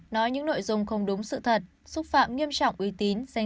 nói những nội dung không đúng sự thật